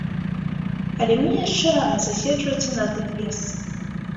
Але мне яшчэ рана заседжвацца на адным месцы.